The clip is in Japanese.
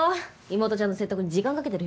妹ちゃんの説得に時間かけてる